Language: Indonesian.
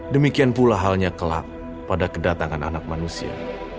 demikian pula halnya kelak pada kedatangan anak manusia